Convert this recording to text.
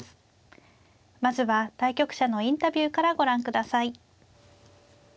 まずは対局者のインタビューからご覧ください。